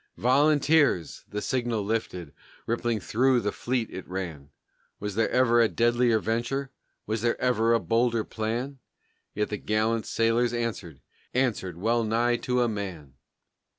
"Volunteers!" the signal lifted; rippling through the fleet it ran; Was there ever deadlier venture? was there ever bolder plan? Yet the gallant sailors answered, answered well nigh to a man!